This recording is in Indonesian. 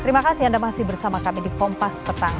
terima kasih anda masih bersama kami di kompas petang